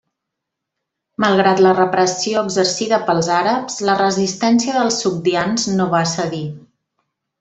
Malgrat la repressió exercida pels àrabs, la resistència dels sogdians no va cedir.